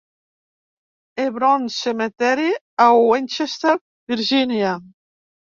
Hebron Cemetery a Winchester, Virginia.